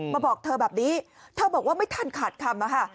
บอกเธอแบบนี้เธอบอกว่าไม่ทันขาดคำ